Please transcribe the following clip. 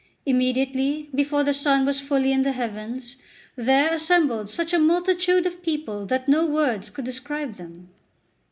Immediately, before the sun was fully in the heavens, there assembled such a multitude of people that no words could describe them.